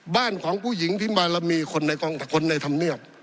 บ้านของผู้หญิงที่มาแล้วมีคนในกองคนในธรรมเนียม